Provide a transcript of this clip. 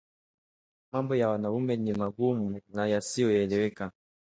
Mambo ya wanaume ni magumu na yasiyoeleweka